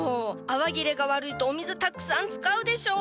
泡切れが悪いとお水たくさん使うでしょ！？